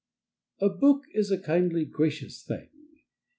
A book is a kindly gracious thing.